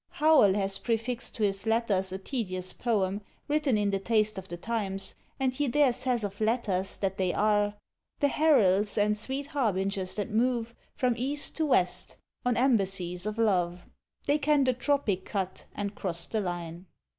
_ Howell has prefixed to his Letters a tedious poem, written in the taste of the times, and he there says of letters, that they are The heralds and sweet harbingers that move From East to West, on embassies of love; They can the tropic cut, and cross the line.